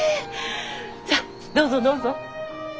さあどうぞどうぞ。